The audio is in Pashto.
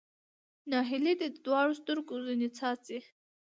ناهیلي دې دواړو سترګو ځنې څاڅي